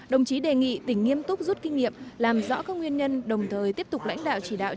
đồng chí đề nghị tỉnh nghiêm túc rút kinh nghiệm làm rõ các nguyên nhân đồng thời tiếp tục lãnh đạo chỉ đạo